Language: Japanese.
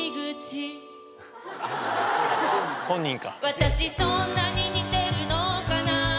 「私そんなに似てるのかな」